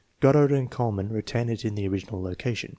Goddard and Kuhlmann retain it in the original location.